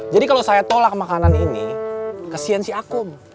jadi kalau saya tolak makanan ini kesian si akum